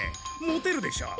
モテるでしょ？